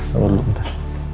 tunggu dulu bentar